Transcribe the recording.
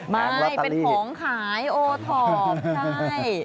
ไม่เป็นของขายโอทอปใช่